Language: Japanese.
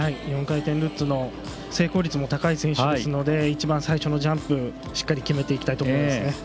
４回転ルッツの成功率も高い選手ですので一番最初のジャンプをしっかり決めていきたいところですね。